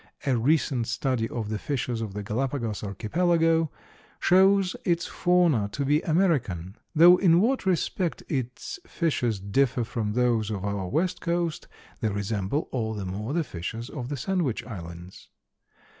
A recent study of the fishes of the Galapagos Archipelago shows its fauna to be American, though in what respect its fishes differ from those of our west coast they resemble all the more the fishes of the Sandwich Islands.